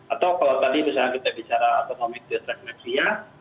atau kalau tadi misalnya kita bicara autonomic distress nexia